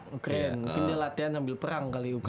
mungkin dia latihan ambil perang kali ukraine